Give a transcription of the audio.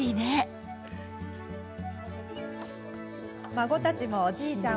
孫たちもおじいちゃん